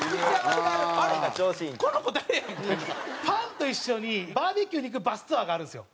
ファンと一緒にバーベキューに行くバスツアーがあるんですよ。